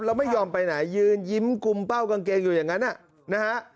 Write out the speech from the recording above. แล้วไม่ยอมไปไหนยืนยิ้มกุมเป้ากางเกงอยู่อย่างนั้นนะฮะ